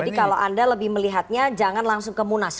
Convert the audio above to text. jadi kalau anda lebih melihatnya jangan langsung ke munas